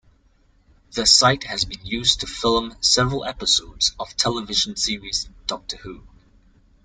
The site has been used to film several episodes of television series Doctor Who.